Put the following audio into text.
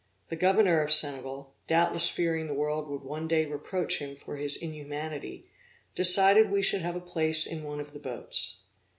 The governor of Senegal, doubtless fearing the world would one day reproach him for his inhumanity, decided we should have a place in one of the boats.